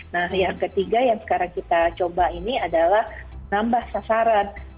nah yang ketiga yang sekarang kita coba ini adalah nambah sasaran